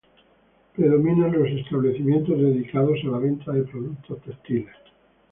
Predominan los establecimientos dedicados a la venta de productos textiles.